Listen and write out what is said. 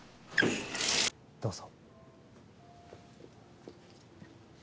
どうぞ。